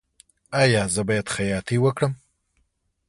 ایا زه باید خیاطۍ وکړم؟